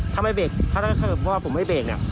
ทำไมเบรกถ้าเกิดว่าผมไม่เบรกเนี่ย